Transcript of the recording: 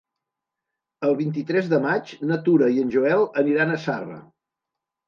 El vint-i-tres de maig na Tura i en Joel aniran a Zarra.